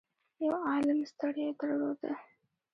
يو عالُم ستړيا يې درلوده.